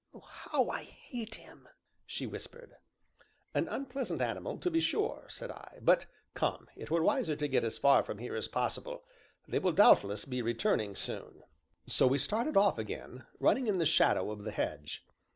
"How I hate him!" she whispered. "An unpleasant animal, to be sure," said I. "But come, it were wiser to get as far from here as possible, they will doubtless be returning soon." So we started off again, running in the shadow of the hedge.